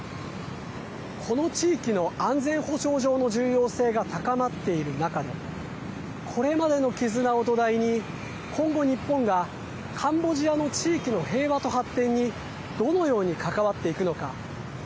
この地域の安全保障上の重要性が高まっている中でこれまでの絆を土台に今後、日本がカンボジアの地域の平和と発展にどのように関わっていくのか。